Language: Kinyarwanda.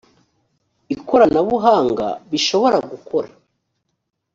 ikoranabuhanga bishobora gukora